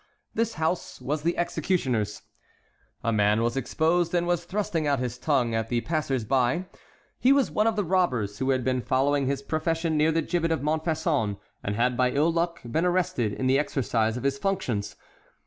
This house was the executioner's. A man was exposed, and was thrusting out his tongue at the passers by; he was one of the robbers who had been following his profession near the gibbet of Montfaucon, and had by ill luck been arrested in the exercise of his functions.